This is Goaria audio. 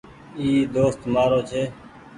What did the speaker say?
ايٚ دوست مآرو ڇي